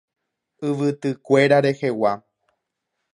Yvytykuéra rehegua.